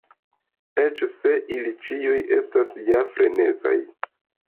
Eĉ se ili ĉiuj estas ja frenezaj.